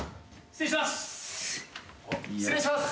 失礼します。